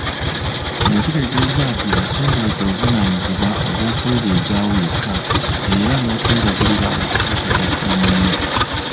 Kino kitegeeza nti asemberedde obuvunaanyizibwa obw'okwebezaawo yekka era n'okwerabirira okutuusa lw'afuna munne.